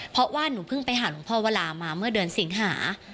เพราะว่าหนูเพิ่งไปหาหลวงพ่อวรามาเมื่อเดือนสิงหา